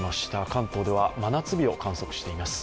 関東では真夏日を観測しています。